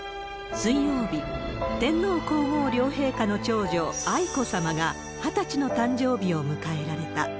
水曜日、天皇皇后両陛下の長女、愛子さまが２０歳の誕生日を迎えられた。